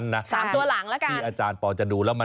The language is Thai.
คุณอะไรคะ